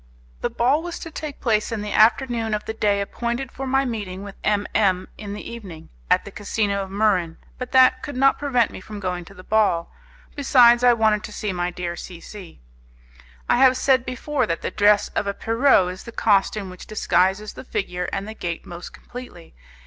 The ball was to take place in the afternoon of the day appointed for my meeting with M M , in the evening at the casino of Muran, but that could not prevent me from going to the ball; besides, I wanted to see my dear C C . I have said before that the dress of a Pierrot is the costume which disguises the figure and the gait most completely.